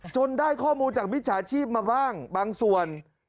ได้ข้อมูลจากมิจฉาชีพมาบ้างบางส่วน